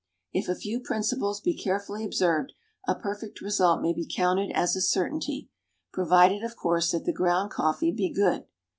If a few principles be carefully observed, a perfect result may be counted as a certainty provided, of course, that the ground coffee be good.